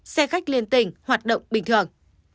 xe khách liên tỉnh hoạt động bình thường